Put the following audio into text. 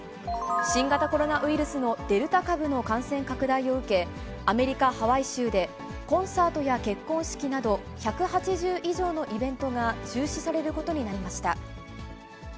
新型コロナウイルスのデルタ株の感染拡大を受け、アメリカ・ハワイ州で、コンサートや結婚式など、１８０以上のイベントが中止されることになりました。